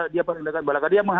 dia paling dekat belakang